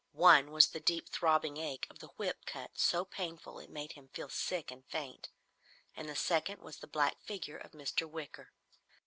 One was the deep throbbing ache of the whip cut, so painful it made him feel sick and faint, and the second was the black figure of Mr. Wicker.